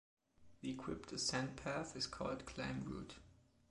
The equipped ascent path is called climb route.